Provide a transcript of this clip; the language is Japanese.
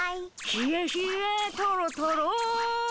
「冷え冷えとろとろ」